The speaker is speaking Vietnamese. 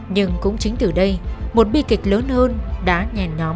nhưng cũng chính từ đây một bi kịch lớn hơn đã nhèn nhóm